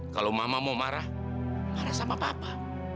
kalau mama mau marah marah sama papa